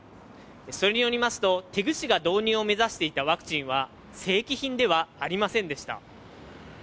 それによりますと、テグ市が導入を目指していたワクチンは正規品ではありませんでした。